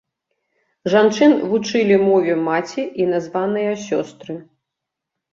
Жанчын вучылі мове маці і названыя сёстры.